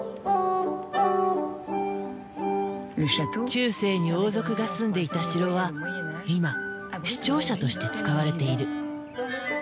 中世に王族が住んでいた城は今市庁舎として使われている。